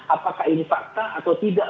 apakah ini fakta atau tidak